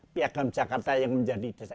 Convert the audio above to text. piagam jakarta yang menjadi dasar